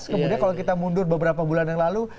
kemudian kalau kita mundur beberapa bulan yang lalu